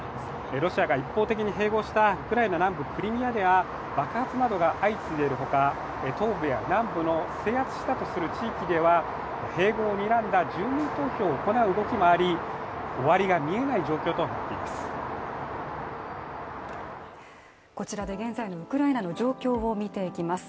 ロシアが一方的に併合したウクライナ南部クリミアでは爆発などが相次いでいるほか、東部や南部の制圧したとする地域では併合をにらんだ住民投票を行う動きもあり終わりがみえない状況となっています。